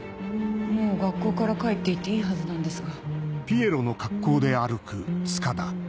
もう学校から帰っていていいはずなんですが。